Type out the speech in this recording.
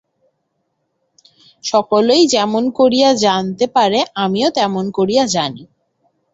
সকলেই যেমন করিয়া জানিতে পারে আমিও তেমনি করিয়া জানি।